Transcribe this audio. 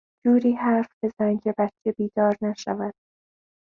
جوری حرف بزن که بچه بیدار نشود.